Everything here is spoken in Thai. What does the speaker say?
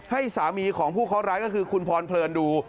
ให้สามีของผู้เคาะร้ายก็คือคุณพรเพลินดู